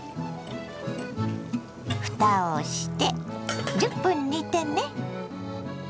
ふたをして１０分煮てね。